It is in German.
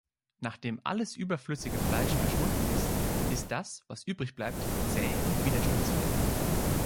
Nachdem alles überflüssige Fleisch verschwunden ist, ist das, was übrig bleibt, zäh und widerstandsfähig.